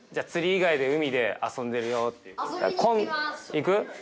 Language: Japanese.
行く？